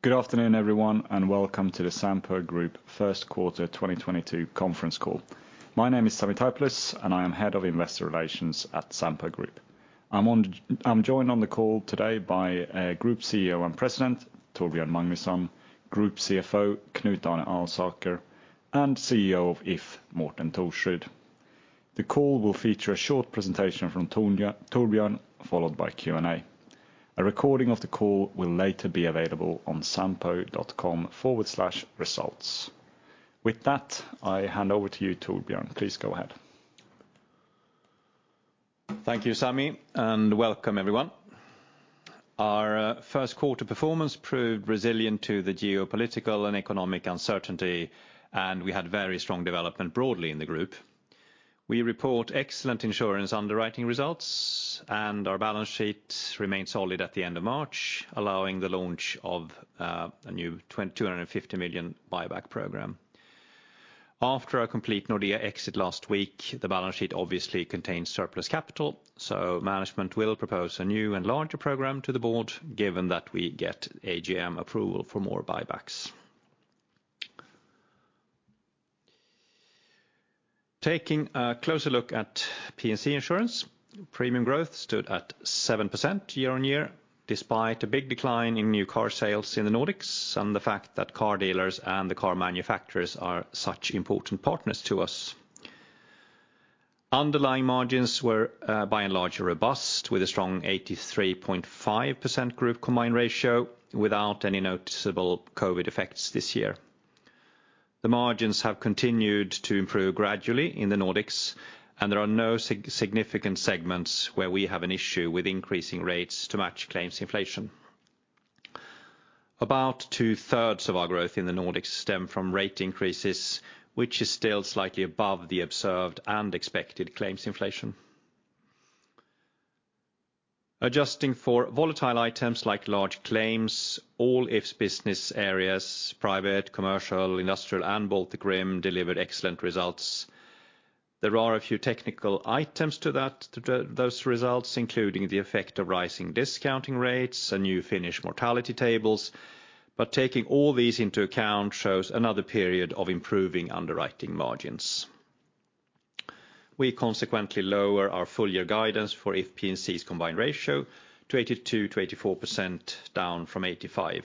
Good afternoon, everyone, and welcome to the Sampo Group First Quarter 2022 Conference Call. My name is Sami Taipalus, and I am head of investor relations at Sampo Group. I'm joined on the call today by Group CEO and President Torbjörn Magnusson, Group CFO Knut Arne Alsaker, and CEO of If Morten Thorsrud. The call will feature a short presentation from Torbjörn, followed by Q&A. A recording of the call will later be available on sampo.com/results. With that, I hand over to you, Torbjörn. Please go ahead. Thank you, Sami, and welcome everyone. Our first quarter performance proved resilient to the geopolitical and economic uncertainty, and we had very strong development broadly in the group. We report excellent insurance underwriting results, and our balance sheet remained solid at the end of March, allowing the launch of a new 250 million buyback program. After a complete Nordea exit last week, the balance sheet obviously contains surplus capital, so management will propose a new and larger program to the board, given that we get AGM approval for more buybacks. Taking a closer look at P&C insurance, premium growth stood at 7% year-on-year, despite a big decline in new car sales in the Nordics and the fact that car dealers and the car manufacturers are such important partners to us. Underlying margins were by and large robust, with a strong 83.5% group combined ratio without any noticeable COVID effects this year. The margins have continued to improve gradually in the Nordics, and there are no significant segments where we have an issue with increasing rates to match claims inflation. About two-thirds of our growth in the Nordics stem from rate increases, which is still slightly above the observed and expected claims inflation. Adjusting for volatile items like large claims, all If's business areas, private, commercial, industrial, and Baltikum delivered excellent results. There are a few technical items to those results, including the effect of rising discounting rates and new finished mortality tables, but taking all these into account shows another period of improving underwriting margins. We consequently lower our full year guidance for If P&C's combined ratio to 82%/84% down from 85%.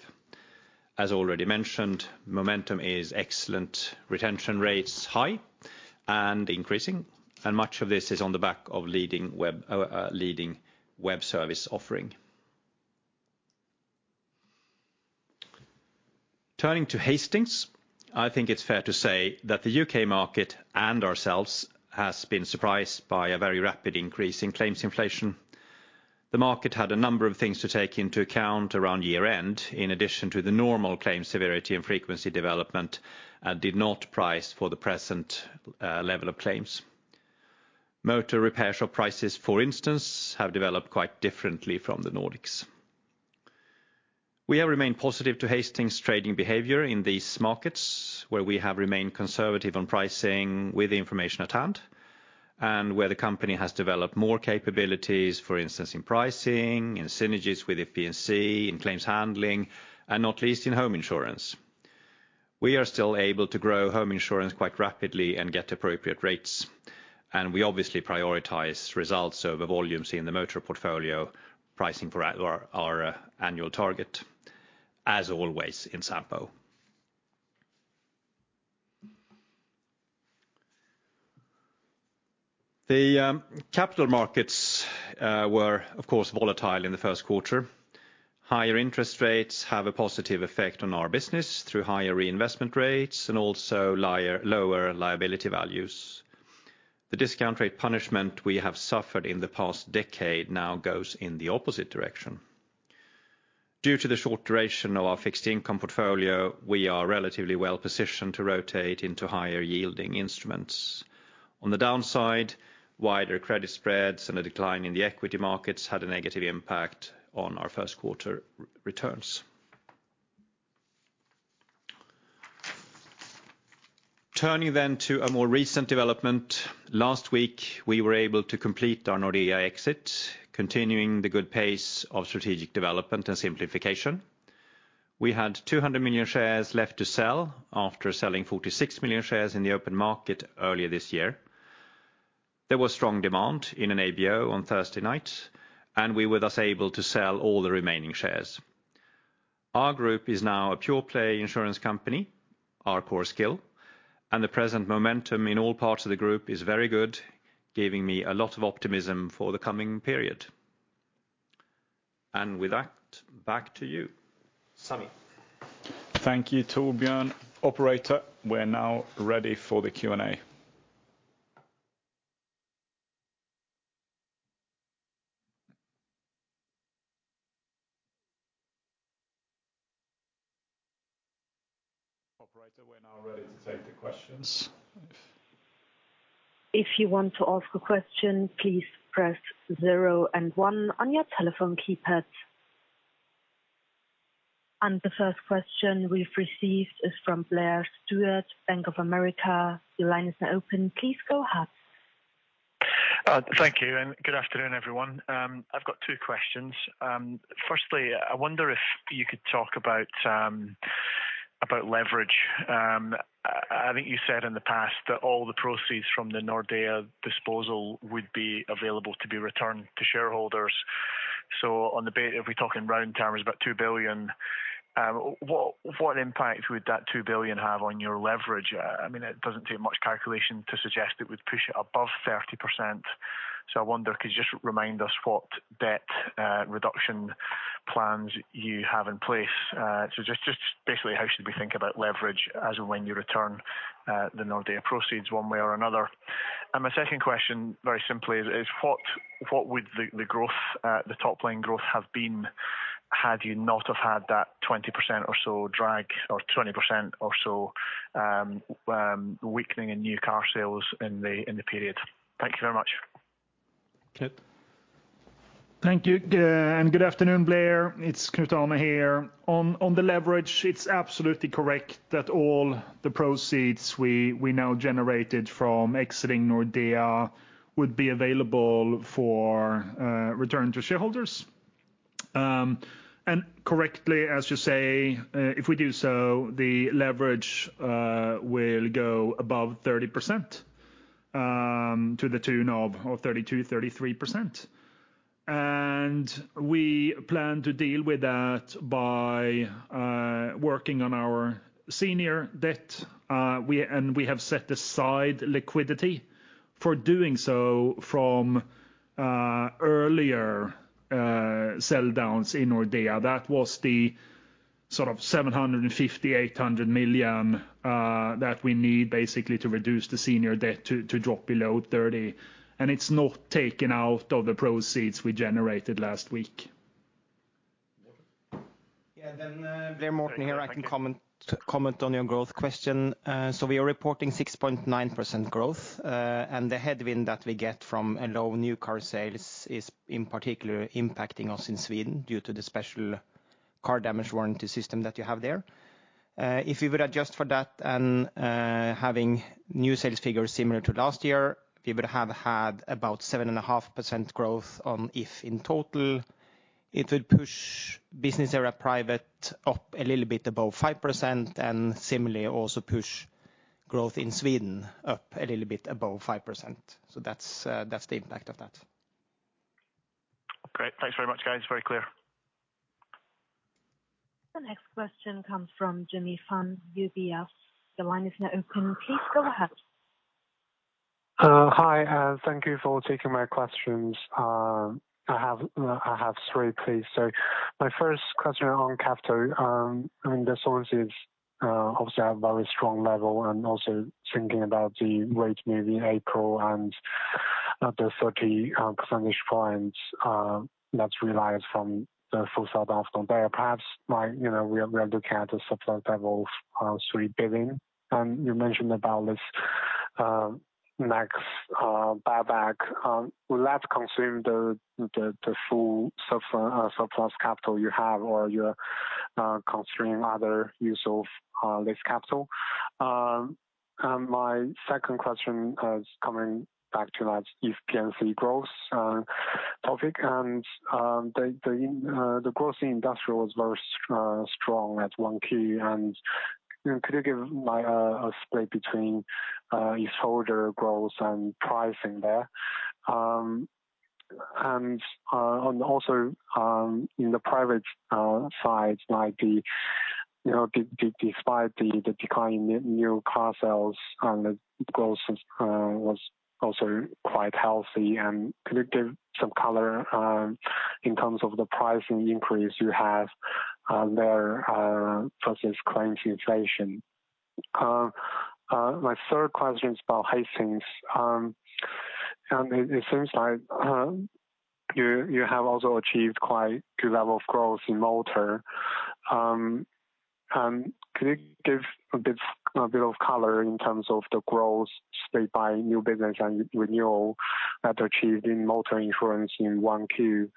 As already mentioned, momentum is excellent, retention rates high and increasing, and much of this is on the back of leading web service offering. Turning to Hastings, I think it's fair to say that the U.K. market and ourselves has been surprised by a very rapid increase in claims inflation. The market had a number of things to take into account around year-end, in addition to the normal claim severity and frequency development, and did not price for the present level of claims. Motor repair shop prices, for instance, have developed quite differently from the Nordics. We have remained positive to Hastings' trading behaviour in these markets, where we have remained conservative on pricing with the information at hand, and where the company has developed more capabilities, for instance, in pricing, in synergies with If P&C, in claims handling, and not least in home insurance. We are still able to grow home insurance quite rapidly and get appropriate rates, and we obviously prioritize results over volumes in the motor portfolio pricing for our annual target, as always in Sampo. The capital markets were, of course, volatile in the first quarter. Higher interest rates have a positive effect on our business through higher reinvestment rates and also lower liability values. The discount rate punishment we have suffered in the past decade now goes in the opposite direction. Due to the short duration of our fixed income portfolio, we are relatively well-positioned to rotate into higher yielding instruments. On the downside, wider credit spreads and a decline in the equity markets had a negative impact on our first quarter returns. Turning to a more recent development. Last week, we were able to complete our Nordea exit, continuing the good pace of strategic development and simplification. We had 200 million shares left to sell after selling 46 million shares in the open market earlier this year. There was strong demand in an ABB on Thursday night, and we were thus able to sell all the remaining shares. Our group is now a pure play insurance company, our core skill, and the present momentum in all parts of the group is very good, giving me a lot of optimism for the coming period. With that, back to you, Sammy. Thank you, Torbjörn. Operator, we're now ready for the Q&A. Operator, we're now ready to take the questions. If you want to ask a question, please press zero and one on your telephone keypad. The first question we've received is from Blair Stewart, Bank of America. Your line is now open. Please go ahead. Thank you, and good afternoon, everyone. I've got two questions. Firstly, I wonder if you could talk about leverage. I think you said in the past that all the proceeds from the Nordea disposal would be available to be returned to shareholders. If we're talking round terms, about 2 billion, what impact would that 2 billion have on your leverage? I mean, it doesn't take much calculation to suggest it would push it above 30%. I wonder, could you just remind us what debt reduction plans you have in place? Just basically how should we think about leverage as and when you return the Nordea proceeds one way or another? My second question, very simple, is what would the growth, the top line growth have been had you not have had that 20% or so drag or 20% or so weakening in new car sales in the period? Thank you very much. Knut. Thank you. Good afternoon, Blair. It's Knut Arne Alsaker here. On the leverage, it's absolutely correct that all the proceeds we now generated from exiting Nordea would be available for return to shareholders. Correctly, as you say, if we do so, the leverage will go above 30%, to the tune of 32%/33%. We plan to deal with that by working on our senior debt. We have set aside liquidity for doing so from earlier sell downs in Nordea. That was the sort of 750/800 million that we need basically to reduce the senior debt to drop below 30%, and it's not taken out of the proceeds we generated last week. Morten. Yeah. Blair, Morten here. Thank you. I can comment on your growth question. We are reporting 6.9% growth, and the headwind that we get from a low new car sales is in particular impacting us in Sweden due to the special car damage warranty system that you have there. If we would adjust for that and having new sales figures similar to last year, we would have had about 7.5% growth on If in total. It would push business area private up a little bit above 5% and similarly also push growth in Sweden up a little bit above 5%. That's the impact of that. Great. Thanks very much, guys. Very clear. The next question comes from Jimmy Fan, UBS. The line is now open. Please go ahead. Hi, thank you for taking my questions. I have three, please. My first question on capital, I mean, the solvency is obviously at a very strong level and also thinking about the rate move in April and the 30 percentage points that's realized from the full sell down from there. Perhaps, we are looking at the surplus level of 3 billion. You mentioned about this next buyback. Will that consume the full surplus capital you have or you're considering other use of this capital? My second question is coming back to that EPS growth topic. The growth in industrial was very strong at 1Q. Could you give like a split between policyholder growth and pricing there? And also, in the private side, like the, you know, despite the decline in new car sales, the growth was also quite healthy. Could you give some color in terms of the pricing increase you have there versus claims inflation? My third question is about Hastings. It seems like you have also achieved quite good level of growth in motor. Could you give a bit of color in terms of the growth split by new business and renewal that achieved in motor insurance in 1Q?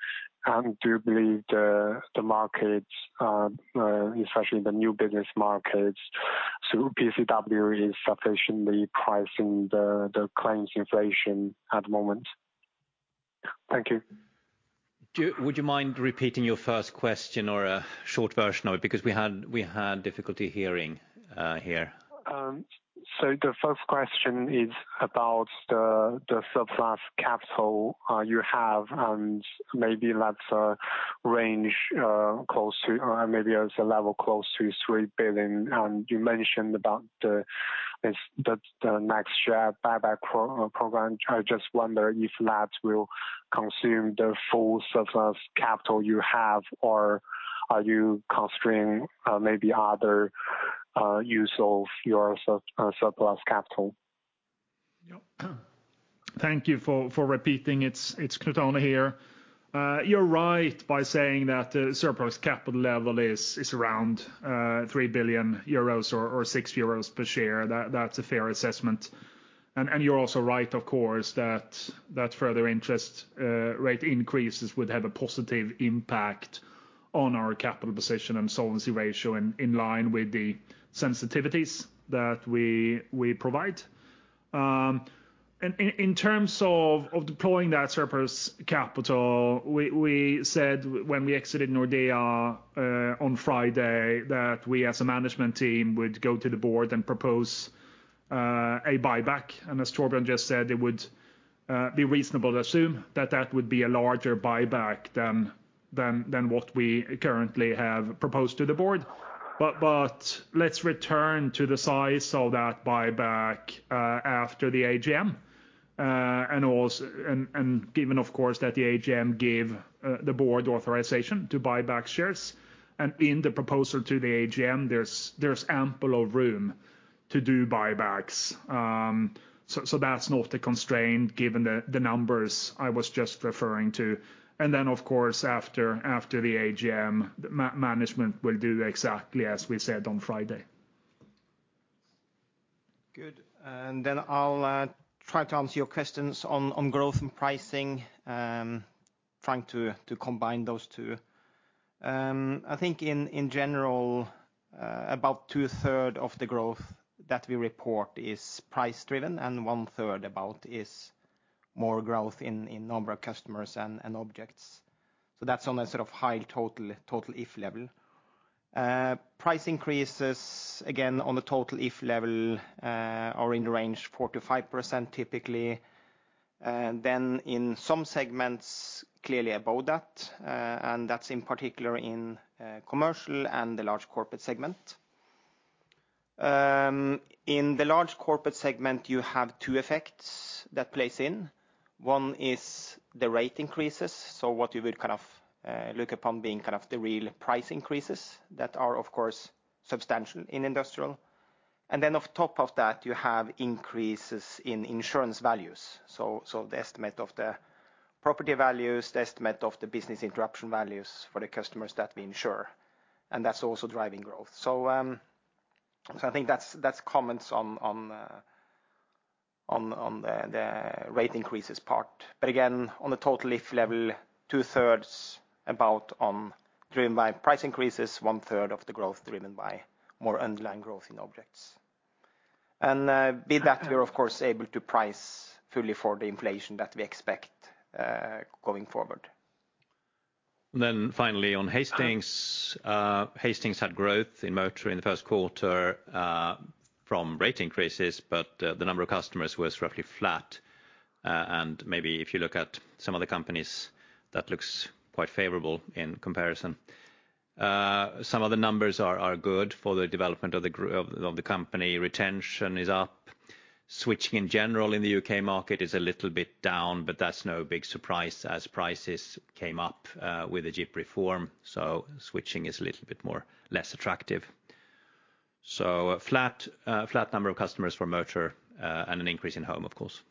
Do you believe the markets, especially the new business markets through PCW is sufficiently pricing the claims inflation at the moment? Thank you. Would you mind repeating your first question or a short version of it? Because we had difficulty hearing here. The first question is about the surplus capital you have, and maybe that's a range close to or maybe it's a level close to 3 billion. You mentioned about the next share buyback program. I just wonder if that will consume the full surplus capital you have or are you considering maybe other use of your surplus capital? Yeah. Thank you for repeating. It's Knut Arne here. You're right by saying that the surplus capital level is around 3 billion euros or 6 euros per share. That's a fair assessment. You're also right, of course, that further interest rate increases would have a positive impact on our capital position and solvency ratio in line with the sensitivities that we provide. In terms of deploying that surplus capital, we said when we exited Nordea on Friday that we as a management team would go to the board and propose a buyback. As Torbjörn just said, it would be reasonable to assume that that would be a larger buyback than what we currently have proposed to the board. Let's return to the size of that buyback after the AGM and also given of course that the AGM gave the board authorization to buy back shares. In the proposal to the AGM, there's ample room to do buybacks. So that's not a constraint given the numbers I was just referring to. Of course, after the AGM, management will do exactly as we said on Friday. Good. I'll try to answer your questions on growth and pricing, trying to combine those two. I think in general, about two-thirds of the growth that we report is price driven, and about one-third is more growth in number of customers and objects. That's on a sort of high total If level. Price increases, again, on the total If level, are in the range 4%-5% typically. In some segments, clearly above that, and that's in particular in commercial and the large corporate segment. In the large corporate segment, you have two effects that play in. One is the rate increases, so what you would look upon as being the real price increases that are, of course, substantial in industrial. Then on top of that, you have increases in insurance values. The estimate of the property values, the estimate of the business interruption values for the customers that we insure, and that's also driving growth. I think that's comments on the rate increases part but again, on the total If level, two-thirds about driven by price increases, one-third of the growth driven by more underlying growth in objects but that we are of course able to price fully for the inflation that we expect going forward. Finally on Hastings. Hastings had growth in motor in the first quarter from rate increases, but the number of customers was roughly flat. Maybe if you look at some other companies, that looks quite favorable in comparison. Some other numbers are good for the development of the company. Retention is up. Switching in general in the U.K. market is a little bit down, but that's no big surprise as prices came up with the GIPP reform. Switching is a little bit less attractive. A flat number of customers for motor and an increase in home, of course.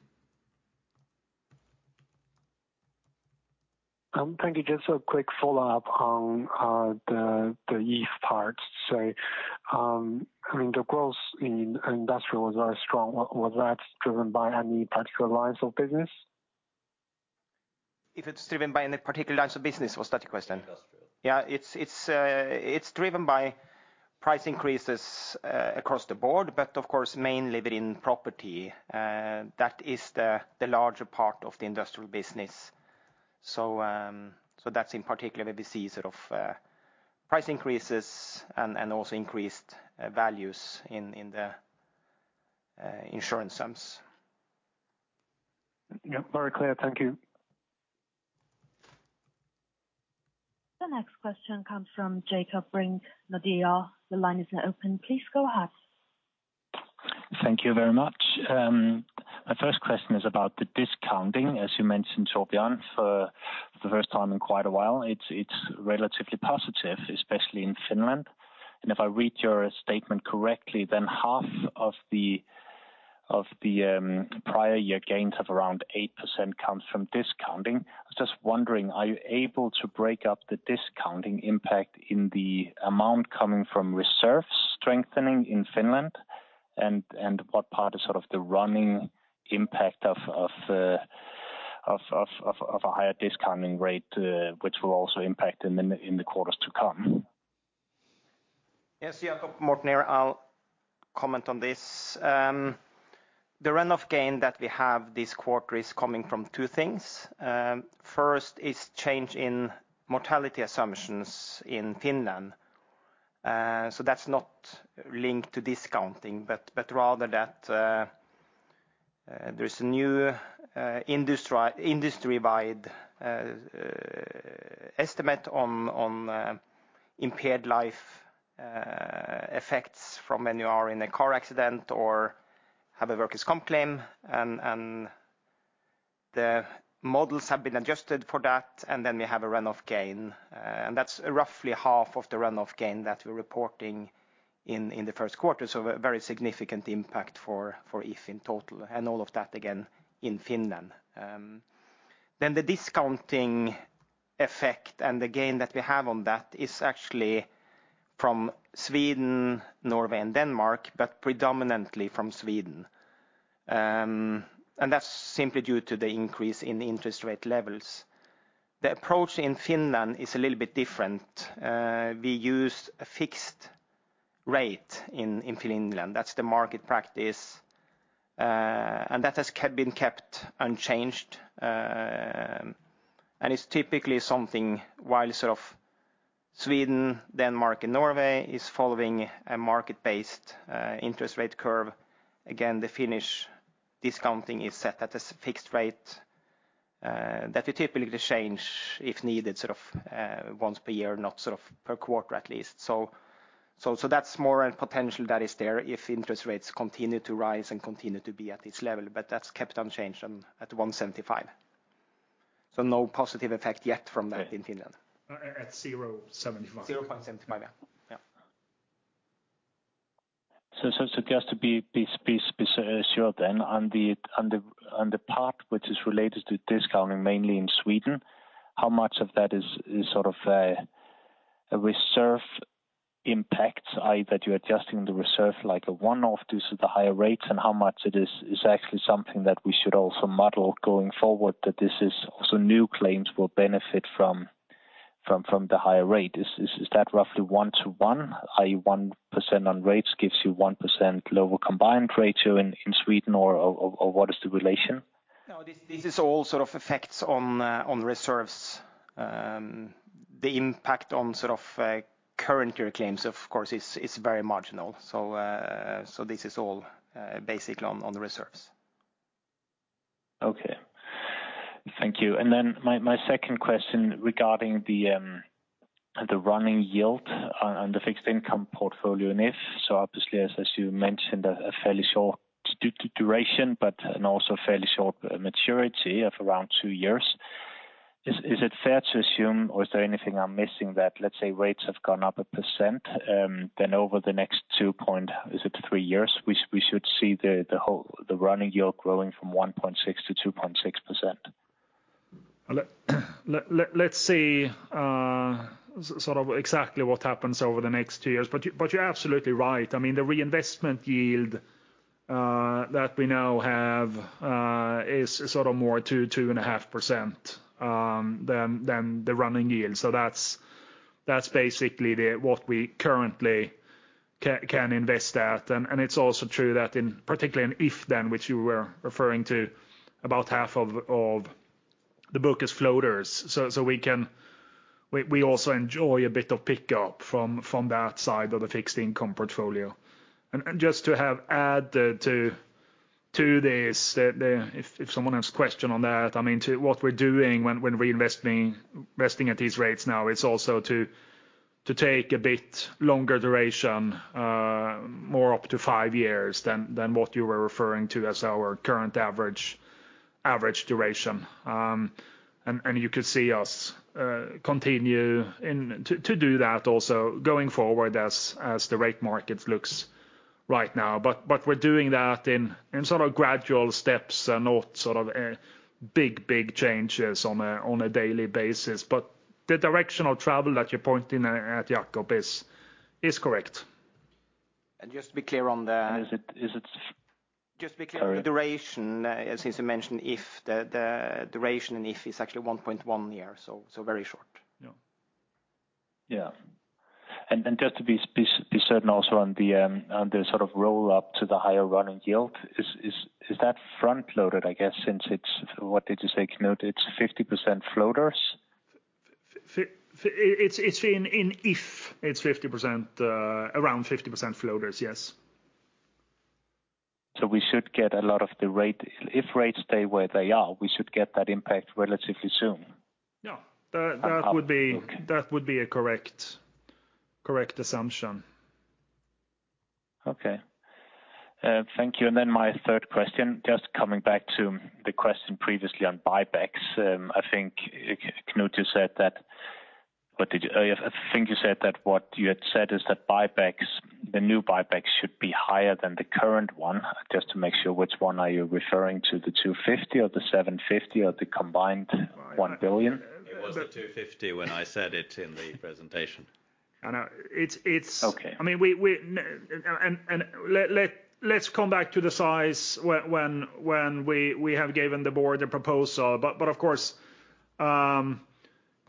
Thank you. Just a quick follow-up on the If part. I mean, the growth in industrial was very strong. Was that driven by any particular lines of business? If it's driven by any particular lines of business, was that the question? Industrial. Yeah. It's driven by price increases across the board, but of course mainly within property. That is the larger part of the industrial business. That's in particular where we see sort of price increases and also increased values in the insurance sums. Yep. Very clear. Thank you. The next question comes from Jakob Brink, Nordea. The line is now open. Please go ahead. Thank you very much. My first question is about the discounting. As you mentioned, Torbjörn, for the first time in quite a while, it's relatively positive, especially in Finland. If I read your statement correctly, then half of the prior year gains of around 8% comes from discounting. I was just wondering, are you able to break up the discounting impact in the amount coming from reserves strengthening in Finland? What part is the running impact of a higher discounting rate, which will also impact in the quarters to come? Yes. Jakob, Morten here. I'll comment on this. The run-off gain that we have this quarter is coming from two things. First is change in mortality assumptions in Finland. That's not linked to discounting, but rather that there's a new industry-wide estimate on impaired life effects from when you are in a car accident or have a Workers' Comp Claim. The models have been adjusted for that, and then we have a run-off gain. That's roughly half of the run-off gain that we're reporting in the first quarter. A very significant impact for If in total, and all of that again in Finland. The discounting effect and the gain that we have on that is actually from Sweden, Norway, and Denmark, but predominantly from Sweden. That's simply due to the increase in the interest rate levels. The approach in Finland is a little bit different. We use a fixed rate in Finland. That's the market practice, and that has been kept unchanged. It's typically something while Sweden, Denmark, and Norway is following a market-based interest rate curve. Again, the Finnish discounting is set at a fixed rate that we typically change if needed once per year, not sort of per quarter at least. So that's more a potential that is there if interest rates continue to rise and continue to be at this level. That's kept unchanged at 1.75%. No positive effect yet from that in Finland. At 0.75. 0.75, yeah. Yeah. Just to be sure then on the part which is related to discounting mainly in Sweden, how much of that is a reserve impact, i.e. that you're adjusting the reserve like a one-off due to the higher rates? How much it is actually something that we should also model going forward, that this is also new claims will benefit from the higher rate. Is that roughly one-to-one, i.e. 1% on rates gives you 1% lower combined ratio in Sweden or what is the relation? No, this is all effects on reserves. The impact on sort of current year claims of course is very marginal. This is all basically on the reserves. Okay. Thank you. Then my second question regarding the running yield on the fixed income portfolio in If. Obviously as you mentioned, a fairly short duration, but also fairly short maturity of around two years. Is it fair to assume or is there anything I'm missing that, let's say, rates have gone up 1%, then over the next two point, is it three years, we should see the whole running yield growing from 1.6%-2.6%? Let's see sort of exactly what happens over the next two years. You're absolutely right. I mean, the reinvestment yield that we now have is more 2.5% than the running yield. That's basically what we currently can invest at. It's also true that in particularly in If, which you were referring to about half of the book is floaters. We also enjoy a bit of pickup from that side of the fixed income portfolio. Just to add to this. If someone has question on that, I mean, to what we're doing when reinvesting, investing at these rates now, it's also to take a bit longer duration, more up to five years than what you were referring to as our current average duration. You could see us continue and to do that also going forward as the rate market looks right now. We're doing that in gradual steps and not big changes on a daily basis. The direction of travel that you're pointing at, Jakob, is correct. Just to be clear on the. Is it? Just to be clear on the duration, since you mentioned If, the duration in If is actually one point one years, so very short. Yeah. Just to be certain also on the on the roll-up to the higher running yield, is that front-loaded, I guess, since it's, what did you say, Knut? It's 50% floaters? It's in If. It's 50%, around 50% floaters, yes. We should get a lot of the rate. If rates stay where they are, we should get that impact relatively soon. Yeah. That would be. Okay. That would be a correct assumption. Okay. Thank you. My third question, just coming back to the question previously on buybacks. I think, Knut, you said that what you had said is that buybacks, the new buybacks should be higher than the current one. Just to make sure, which one are you referring to, the 250 or the 750 or the combined 1 billion? It was 250 when I said it in the presentation. I know. It's. Okay. I mean, let's come back to the size when we have given the board a proposal. Of course,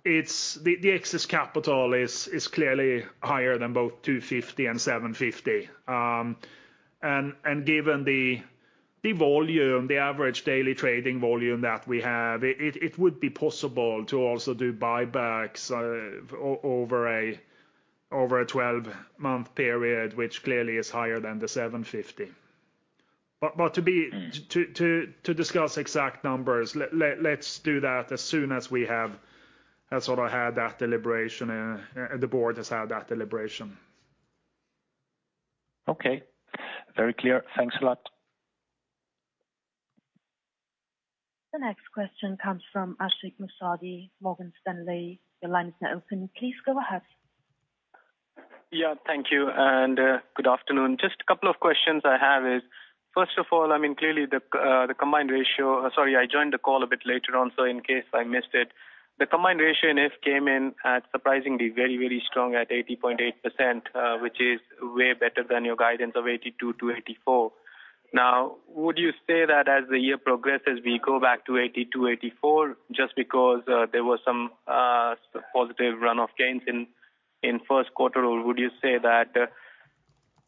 the excess capital is clearly higher than both 250 and 750. Given the volume, the average daily trading volume that we have, it would be possible to also do buybacks over a 12-month period, which clearly is higher than the 750. Mm. To discuss exact numbers, let's do that as soon as we have had that deliberation, the board has had that deliberation. Okay. Very clear. Thanks a lot. The next question comes from Ashik Musaddi, Morgan Stanley. Your line is now open. Please go ahead. Yeah, thank you and good afternoon. Just a couple of questions I have. First of all, I mean, clearly the combined ratio. Sorry, I joined the call a bit later on, so in case I missed it, the combined ratio in If came in at surprisingly very, very strong at 80.8%, which is way better than your guidance of 82%-84%. Now, would you say that as the year progresses, we go back to 82%-84% just because there was some positive run of gains in first quarter? Would you say that,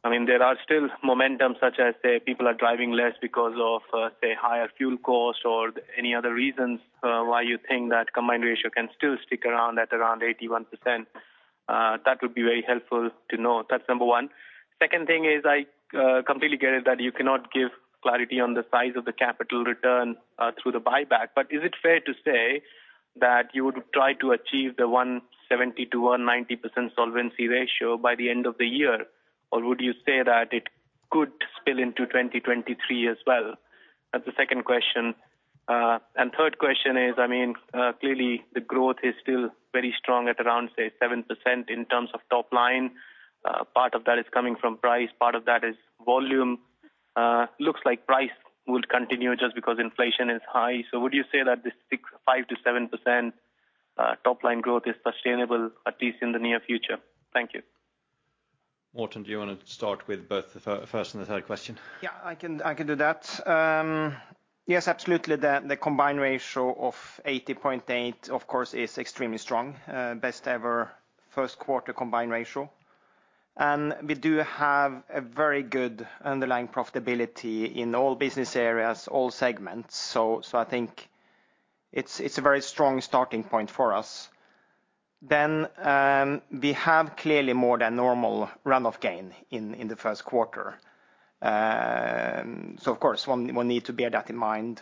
I mean, there are still momentum such as, say, people are driving less because of, say, higher fuel costs or any other reasons, why you think that combined ratio can still stick around at around 81%? That would be very helpful to know. That's number one. Second thing is I completely get it that you cannot give clarity on the size of the capital return through the buyback, but is it fair to say that you would try to achieve the 170%-190% solvency ratio by the end of the year, or would you say that it could spill into 2023 as well? That's the second question. And third question is, I mean, clearly the growth is still very strong at around, say, 7% in terms of top line. Part of that is coming from price, part of that is volume. Looks like price will continue just because inflation is high. Would you say that this 6%, 5%, 7% top line growth is sustainable, at least in the near future? Thank you. Morten, do you wanna start with both the first and the third question? Yeah, I can do that. Yes, absolutely, the combined ratio of 80.8%, of course, is extremely strong, best ever first quarter combined ratio. We do have a very good underlying profitability in all business areas, all segments. I think it's a very strong starting point for us. We have clearly more than normal run-off gain in the first quarter. Of course, one need to bear that in mind.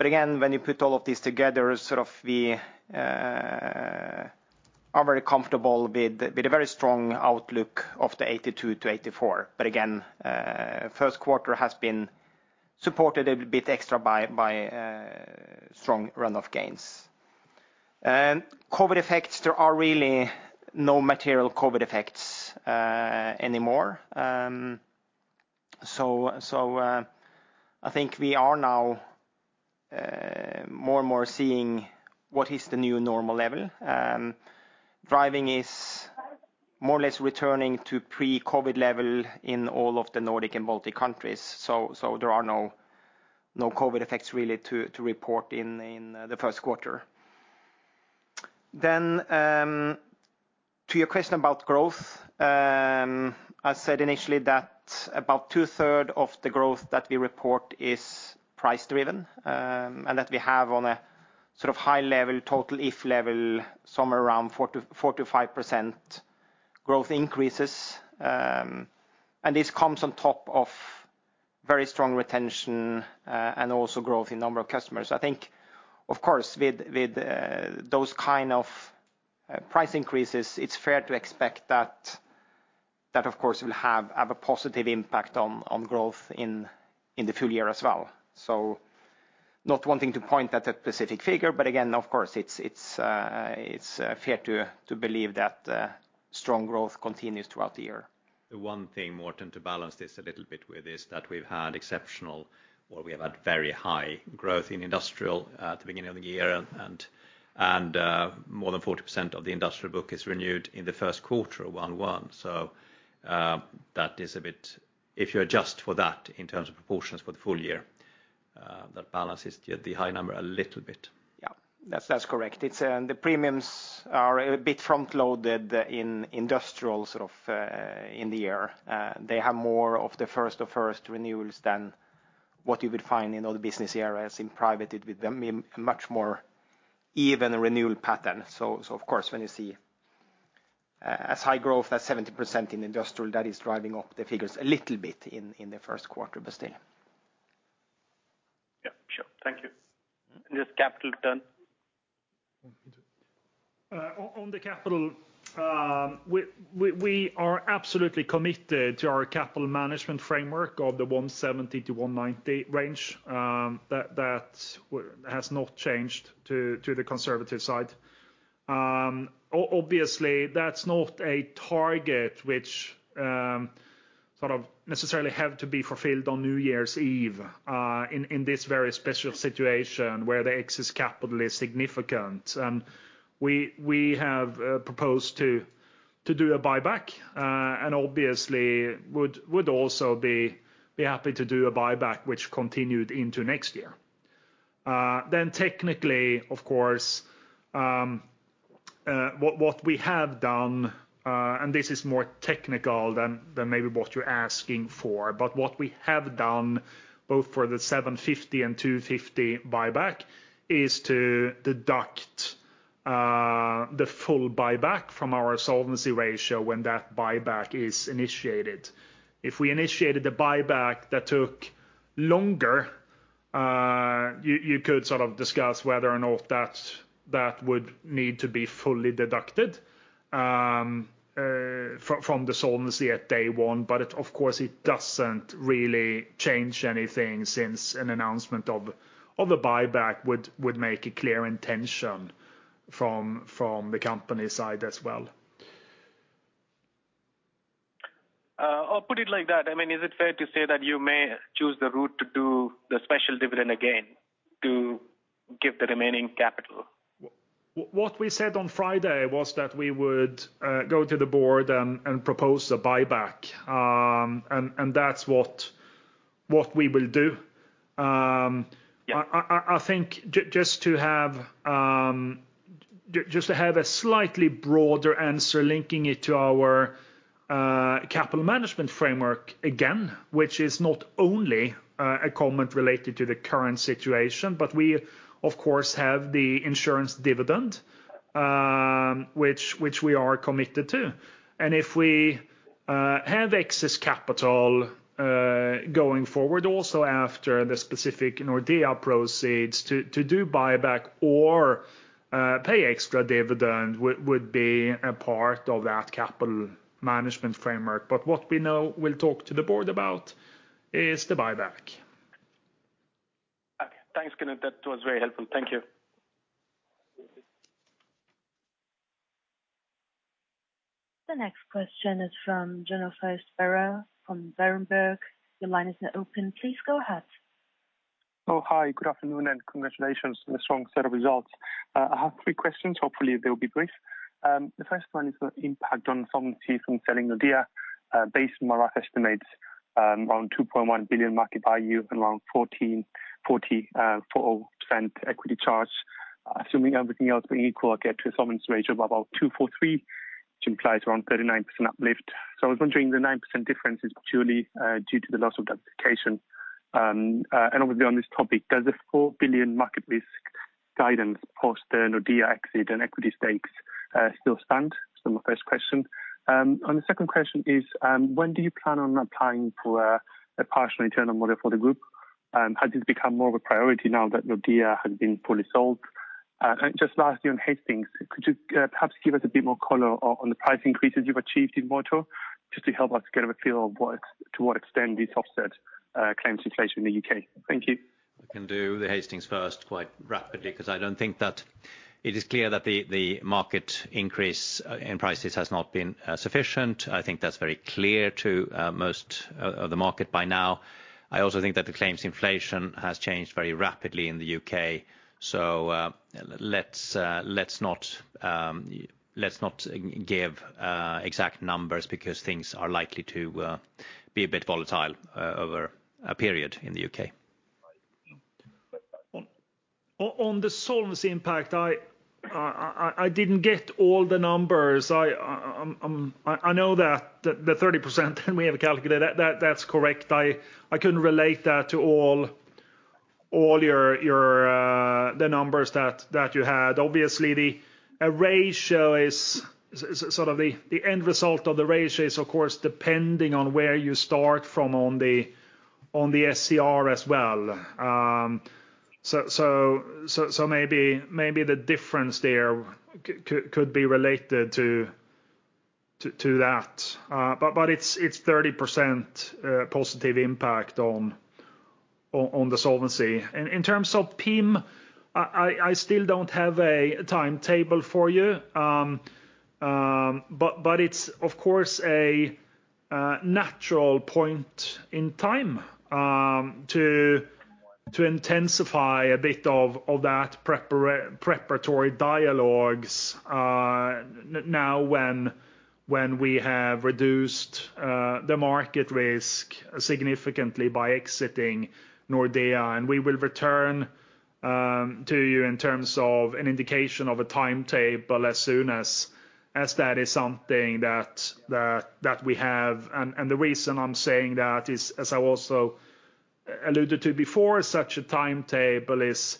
Again, when you put all of these together, sort of we are very comfortable with the very strong outlook of the 82%-84%. Again, first quarter has been supported a bit extra by strong run-off gains. COVID effects, there are really no material COVID effects, anymore. I think we are now more and more seeing what is the new normal level. Driving is more or less returning to pre-COVID level in all of the Nordic and Baltic countries. There are no COVID effects really to report in the first quarter. To your question about growth, I said initially that about two-thirds of the growth that we report is price driven, and that we have on a sort of high level total, If level, somewhere around 4%-5% growth increases. This comes on top of very strong retention and also growth in number of customers. I think, of course, with those price increases, it's fair to expect that of course will have a positive impact on growth in the full year as well. Not wanting to point at a specific figure, but again, of course, it's fair to believe that strong growth continues throughout the year. The one thing, Morten, to balance this a little bit with is that we've had exceptional. We've had very high growth in industrial at the beginning of the year and more than 40% of the industrial book is renewed in the first quarter 11. That is a bit. If you adjust for that in terms of proportions for the full year, that balances the high number a little bit. That's correct. It's the premiums are a bit front loaded in industrial sort of in the year. They have more of the first renewals than what you would find in other business areas. In private it would be much more even renewal pattern. Of course, when you see as high growth as 70% in industrial, that is driving up the figures a little bit in the first quarter, but still. Yeah, sure. Thank you. Just capital return? On the capital, we are absolutely committed to our capital management framework of the 170%-190% range. That has not changed to the conservative side. Obviously, that's not a target which necessarily have to be fulfilled on New Year's Eve, in this very special situation where the excess capital is significant. We have proposed to do a buyback, and obviously would also be happy to do a buyback which continued into next year. Technically, of course, what we have done, and this is more technical than maybe what you're asking for, but what we have done both for the 750 and 250 buyback is to deduct the full buyback from our solvency ratio when that buyback is initiated. If we initiated the buyback that took longer, you could discuss whether or not that would need to be fully deducted from the solvency at day one, but of course it doesn't really change anything since an announcement of a buyback would make a clear intention from the company side as well. I'll put it like that. I mean, is it fair to say that you may choose the route to do the special dividend again to give the remaining capital? What we said on Friday was that we would go to the board and propose a buyback. That's what we will do. Yeah. I think just to have a slightly broader answer linking it to our capital management framework again, which is not only a comment related to the current situation, but we of course have the insurance dividend, which we are committed to. If we have excess capital going forward, also after the specific Nordea proceeds to do buyback or pay extra dividend would be a part of that capital management framework. What we know we'll talk to the board about is the buyback. Okay. Thanks, Knut. That was very helpful. Thank you. The next question is from Jennifer Sparrow from Berenberg. Your line is now open. Please go ahead. Oh, hi, good afternoon, and congratulations on the strong set of results. I have three questions. Hopefully, they'll be brief. The first one is the impact on solvency from selling Nordea. Based on my rough estimates, around 2.1 billion market value and around 14.4% equity charge, assuming everything else being equal, I get to a solvency ratio of about 243%, which implies around 39% uplift. I was wondering the 9% difference is purely due to the loss of diversification. And obviously on this topic, does the 4 billion market risk guidance post the Nordea exit and equity stakes still stand? My first question. The second question is, when do you plan on applying for a partial internal model for the group? Has this become more of a priority now that Nordea has been fully sold? Just lastly, on Hastings, could you perhaps give us a bit more color on the price increases you've achieved in motor, just to help us get a feel of what to what extent these offset claims inflation in the U.K.? Thank you. I can do the Hastings first quite rapidly, because I don't think that it is clear that the market increase in prices has not been sufficient. I think that's very clear to most of the market by now. I also think that the claims inflation has changed very rapidly in the U.K. Let's not give exact numbers because things are likely to be a bit volatile over a period in the U.K. On the solvency impact, I didn't get all the numbers. I know that the 30% we have calculated, that's correct. I couldn't relate that to all your numbers that you had. Obviously, a ratio is sort of, the end result of the ratio is of course depending on where you start from on the SCR as well. Maybe the difference there could be related to that but it's 30% positive impact on the solvency. In terms of PIM, I still don't have a timetable for you. It's of course a natural point in time to intensify a bit of that preparatory dialogue now when we have reduced the market risk significantly by exiting Nordea. We will return to you in terms of an indication of a timetable as soon as that is something that we have. The reason I'm saying that is, as I also alluded to before, such a timetable is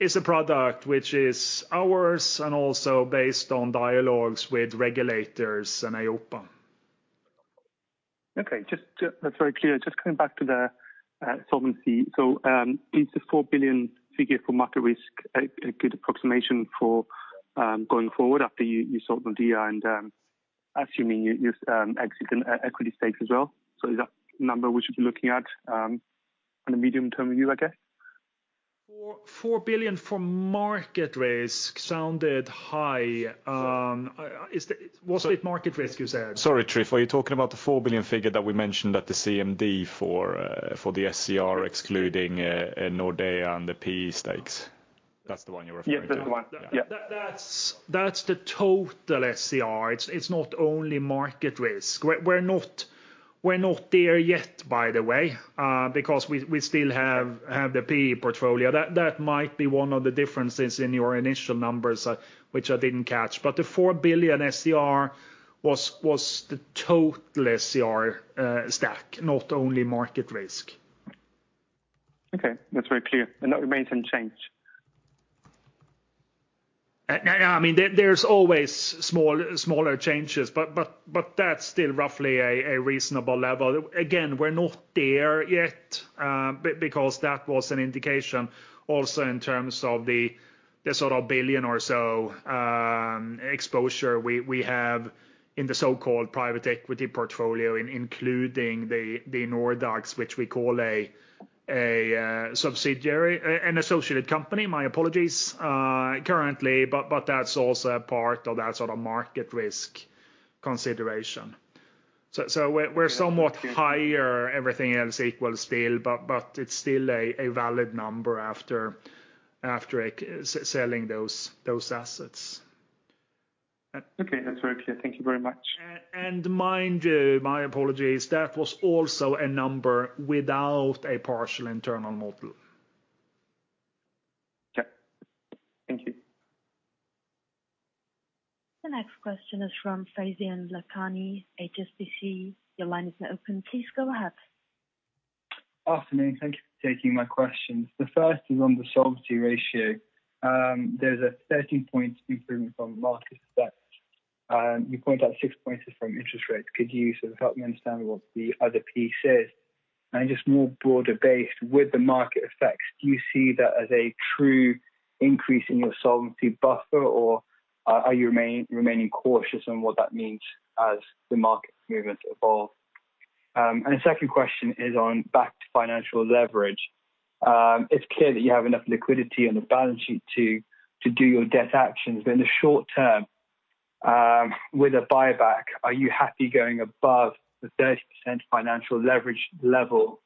a product which is ours and also based on dialogues with regulators and EIOPA. Okay. That's very clear. Just coming back to the solvency. Is the 4 billion figure for market risk a good approximation for going forward after you sold Nordea and assuming you've exited equity stakes as well? Is that number we should be looking at on a medium-term view, I guess? 4.4 billion for market risk sounded high. Is the- So- Was it market risk you said? Sorry, Jennifer. Are you talking about the 4 billion figure that we mentioned at the CMD for the SCR excluding Nordea and the PE stakes? That's the one you were referring to? Yeah, that's the one. That's the total SCR. It's not only market risk. We're not there yet, by the way, because we still have the PE portfolio. That might be one of the differences in your initial numbers, which I didn't catch. The 4 billion SCR was the total SCR stack, not only market risk. Okay. That's very clear. That remains unchanged? Yeah. I mean, there's always smaller changes, but that's still roughly a reasonable level. Again, we're not there yet, because that was an indication also in terms of the sort of 1 billion or so exposure we have in the so-called private equity portfolio, including the Nordax, which we call a subsidiary, an associated company, my apologies, currently. That's also a part of that market risk consideration. We're somewhat higher, everything else equals still, but it's still a valid number after selling those assets. Okay. That's very clear. Thank you very much. Mind you, my apologies, that was also a number without a partial internal model. Okay. Thank you. The next question is from Faizan Lakhani, HSBC. Your line is now open. Please go ahead. Afternoon. Thank you for taking my questions. The first is on the solvency ratio. There's a 13-point improvement from market effect. You point out six points is from interest rates. Could you help me understand what the other piece is? Just more broader based, with the market effects, do you see that as a true increase in your solvency buffer, or are you remaining cautious on what that means as the market movements evolve? The second question is on net financial leverage. It's clear that you have enough liquidity on the balance sheet to do your debt actions. In the short term, with a buyback, are you happy going above the 30% financial leverage level,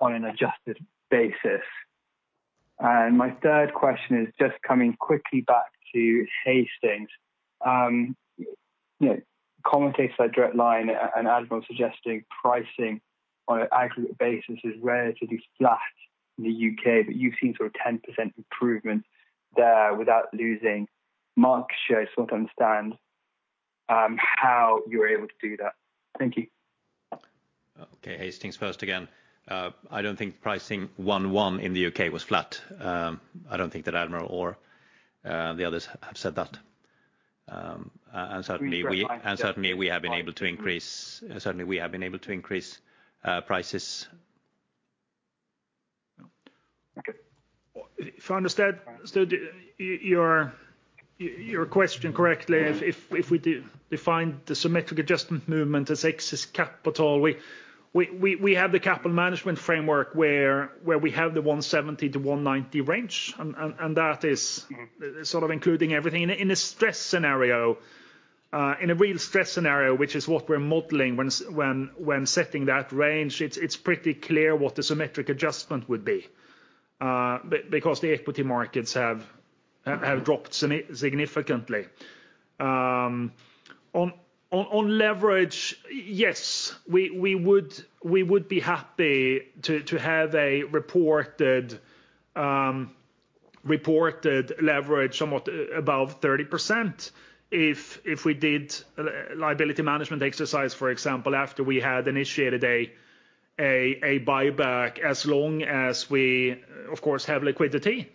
on an adjusted basis? My third question is just coming quickly back to Hastings. You know, commentators like Direct Line and Admiral are suggesting pricing on an aggregate basis is relatively flat in the U.K., but you've seen 10% improvement there without losing market share. I just want to understand how you're able to do that. Thank you. Okay. Hastings first again. I don't think pricing 11 in the U.K. was flat. I don't think that Admiral or the others have said that. Certainly we have been able to increase prices. Okay. If I understood your question correctly, if we do define the symmetric adjustment movement as excess capital, we have the capital management framework where we have the 170%-190% range. That is sort of including everything. In a real stress scenario, which is what we're modelling when setting that range, it's pretty clear what the symmetric adjustment would be, because the equity markets have dropped significantly. On leverage, yes, we would be happy to have a reported leverage somewhat above 30% if we did liability management exercise, for example, after we had initiated a buyback, as long as we, of course, have liquidity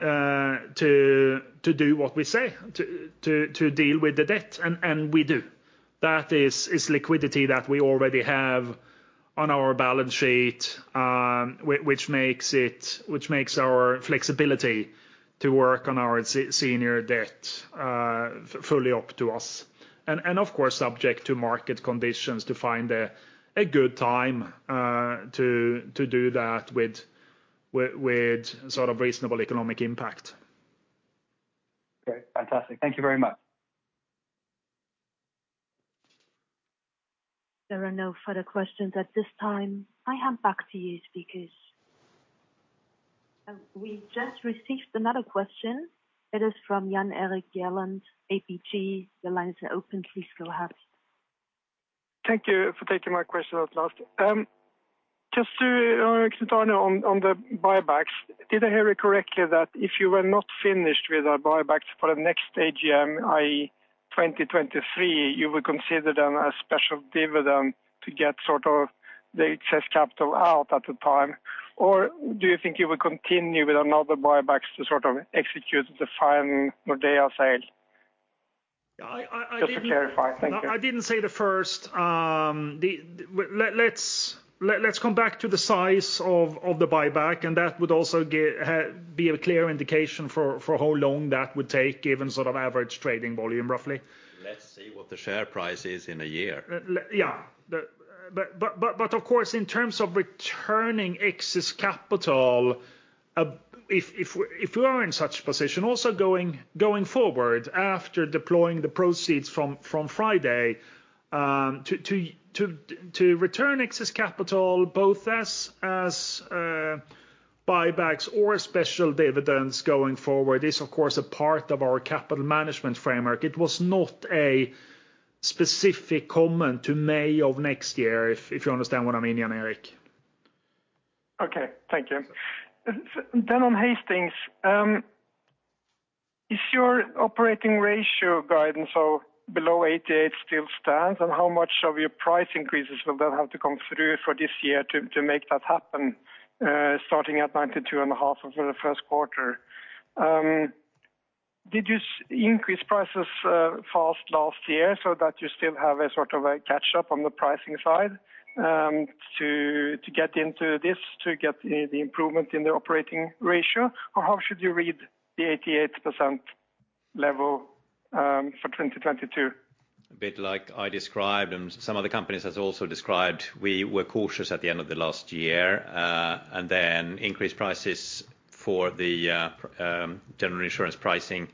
to do what we say, to deal with the debt, and we do. That is liquidity that we already have on our balance sheet, which makes our flexibility to work on our senior debt fully up to us. Of course, subject to market conditions to find a good time to do that with reasonable economic impact. Okay, fantastic. Thank you very much. There are no further questions at this time. I hand back to you, speakers. We just received another question. It is from Jan Erik Gjerland, ABG. The line is now open. Please go ahead. Thank you for taking my question at last. Just to continue on the buybacks. Did I hear you correctly that if you were not finished with our buybacks for the next AGM, i.e., 2023, you would consider them a special dividend to get the excess capital out at the time? Do you think you will continue with another buybacks to sort of execute the final Nordea sale? Yeah. I didn't. Just to clarify. Thank you. No, I didn't say the first. Let's come back to the size of the buyback, and that would also be a clear indication for how long that would take, given of average trading volume, roughly. Let's see what the share price is in a year. Yeah. Of course, in terms of returning excess capital, if we are in such position, also going forward, after deploying the proceeds from Friday, to return excess capital both as buybacks or special dividends going forward is of course a part of our capital management framework. It was not a specific comment to May of next year, if you understand what I mean, Jan Erik. Okay. Thank you. On Hastings, is your operating ratio guidance of below 88% still stand? And how much of your price increases will have to come through for this year to make that happen, starting at 92.5% over the first quarter? Did you increase prices fast last year so that you still have a catch-up on the pricing side, to get the improvement in the operating ratio or how should you read the 88% level for 2022? A bit like I described and some other companies has also described, we were cautious at the end of the last year, and then increased prices for the GI pricing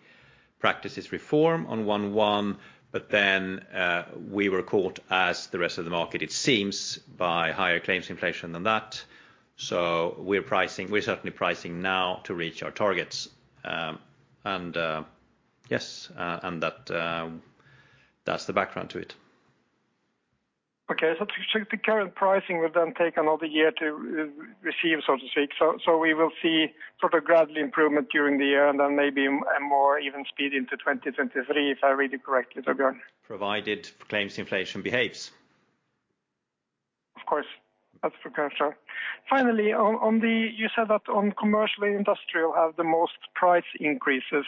practices reform on 11, but then we were caught as the rest of the market, it seems, by higher claims inflation than that. We're pricing, we're certainly pricing now to reach our targets. Yes, and that's the background to it. Okay. The current pricing will then take another year to receive, so to speak. We will see gradual improvement during the year and then maybe more even speed into 2023, if I read you correctly, Torbjörn? Provided claims inflation behaves. Of course. That's for sure. Finally. You said that on commercial industrial have the most price increases.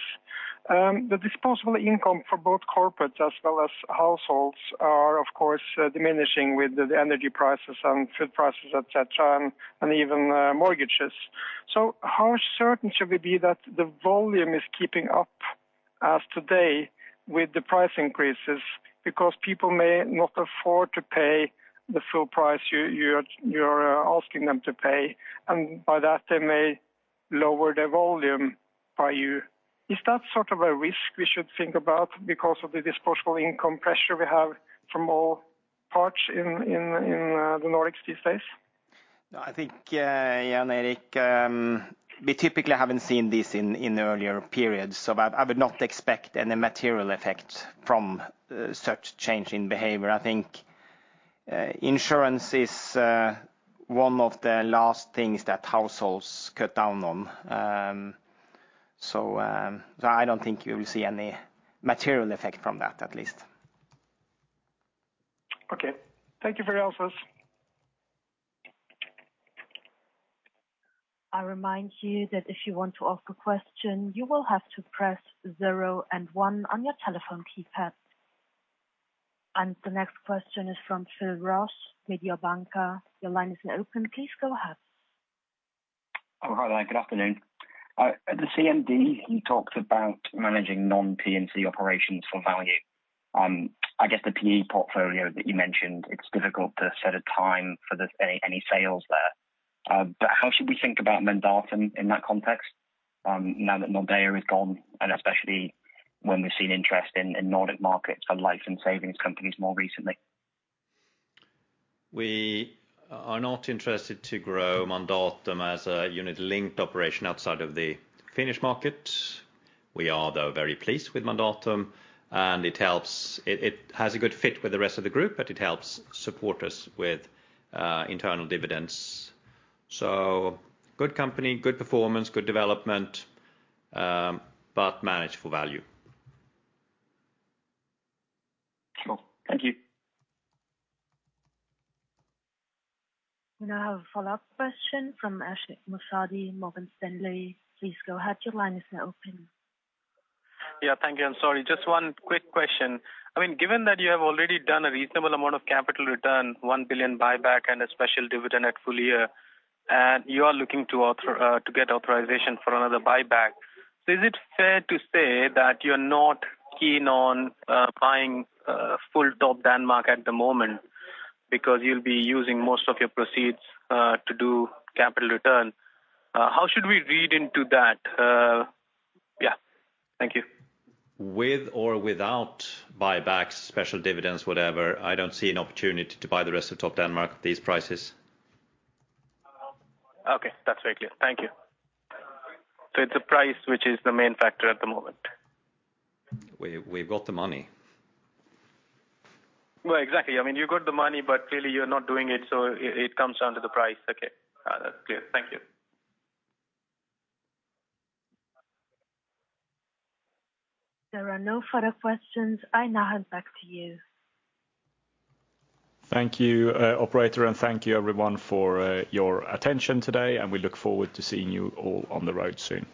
The disposable income for both corporate as well as households are, of course, diminishing with the energy prices and food prices, et cetera, and even mortgages. How certain should we be that the volume is keeping up as today with the price increases? Because people may not afford to pay the full price you're asking them to pay, and by that they may lower their volume by you. Is that a risk we should think about because of the disposable income pressure we have from all parts in the Nordics these days? No, I think, yeah, Eric, we typically haven't seen this in the earlier periods, so I would not expect any material effect from such change in behaviour. I think, insurance is one of the last things that households cut down on. I don't think you'll see any material effect from that, at least. Okay. Thank you for your answers. I remind you that if you want to ask a question, you will have to press zero and one on your telephone keypad. The next question is from Philip Ross, Mediobanca. Your line is now open. Please go ahead. Oh, hi there. Good afternoon. At the CMD, you talked about managing non-P&C operations for value. I guess the PE portfolio that you mentioned, it's difficult to set a time for the any sales there. How should we think about Mandatum in that context, now that Nordea is gone, and especially when we've seen interest in Nordic markets for life and savings companies more recently? We are not interested to grow Mandatum as a unit-linked operation outside of the Finnish market. We are, though, very pleased with Mandatum, and it helps. It has a good fit with the rest of the group, but it helps support us with internal dividends. Good company, good performance, good development, but managed for value. Cool. Thank you. We now have a follow-up question from Ashik Musaddi, Morgan Stanley. Please go ahead. Your line is now open. Yeah, thank you. I'm sorry. Just one quick question. I mean, given that you have already done a reasonable amount of capital return, 1 billion buyback and a special dividend at full year, and you are looking to get authorization for another buyback. Is it fair to say that you're not keen on buying full Topdanmark at the moment because you'll be using most of your proceeds to do capital return? How should we read into that? Yeah. Thank you. With or without buybacks, special dividends, whatever, I don't see an opportunity to buy the rest of Topdanmark at these prices. Okay. That's very clear. Thank you. It's the price which is the main factor at the moment? We've got the money. Well, exactly. I mean, you got the money, but clearly you're not doing it, so it comes down to the price. Okay. That's clear. Thank you. There are no further questions. I now hand back to you. Thank you, operator, and thank you everyone for your attention today, and we look forward to seeing you all on the road soon.